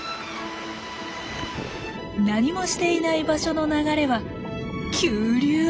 何もしていない場所の流れは急流。